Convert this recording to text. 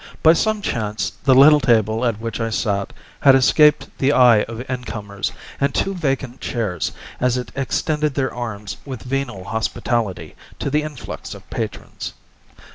By some chance the little table at which I sat had escaped the eye of incomers, and two vacant chairs at it extended their arms with venal hospitality to the influx of patrons.